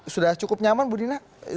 sudah cukup nyaman ibu nina